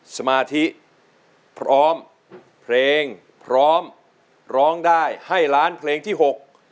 สมาธิพร้อมเพลงพร้อมร้องได้ให้ล้านเพลงที่หก